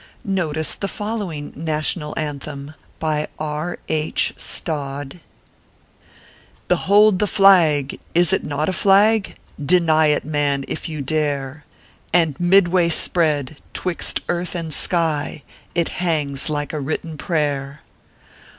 Notice the following NATIONAL ANTHEM BY R. II. STOD . Behold the flag I Is it not a flag ? Deny it, man, if you dare ; And midway spread, twixt earth and sky, It hangs like a written prayer.